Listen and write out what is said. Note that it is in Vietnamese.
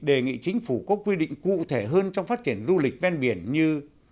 đề nghị chính phủ có quy định cụ thể hơn trong phát triển du lịch ven biển như